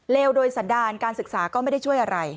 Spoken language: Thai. โดยสันดาลการศึกษาก็ไม่ได้ช่วยอะไร